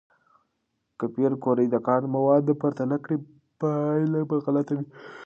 که پېیر کوري د کان مواد نه پرتله کړي، پایله به غلطه وي.